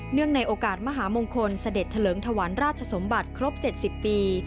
ในโอกาสมหามงคลเสด็จเถลิงถวันราชสมบัติครบ๗๐ปี